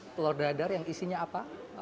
telur dadar yang isinya apa